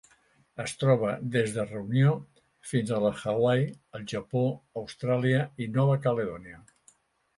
Es troba des de Reunió fins a les Hawaii, el Japó, Austràlia i Nova Caledònia.